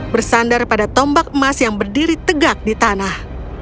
bersandar pada tombak emas yang berdiri tegak di tanah